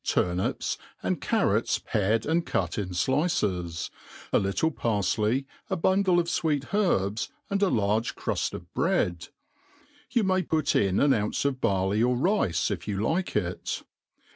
turnips and carrots pared ajidcut in flices, a little parfley, a bundle of fweet hcths, ant} ^ large cruft of bread. You ma^y put in an ounce of barley or lice, if you like it.